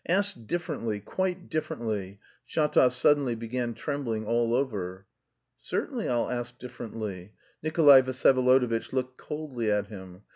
Ask differently, quite differently." Shatov suddenly began trembling all over. "Certainly I'll ask differently." Nikolay Vsyevolodovitch looked coldly at him.